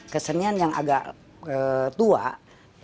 kesenian yang agak tua